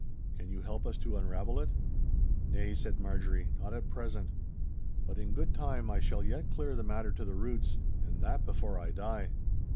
Can you help us to unravel it?' 'Nay,' said Marjorie, 'not at present. But in good time I shall yet clear the matter to the roots, and that before I die.